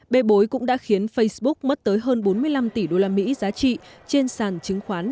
bê bối cũng đã khiến facebook mất tới hơn bốn mươi năm tỷ usd giá trị trên sàn chứng khoán